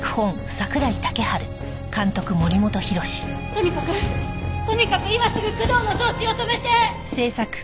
とにかくとにかく今すぐ工藤の送致を止めて！